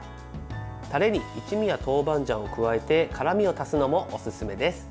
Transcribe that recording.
タレに一味や豆板醤を加えて辛みを足すのもオススメです。